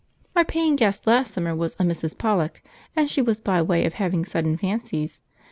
Our paying guest last summer was a Mrs. Pollock, and she was by way of having sudden fancies.